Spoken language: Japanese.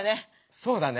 そうだね。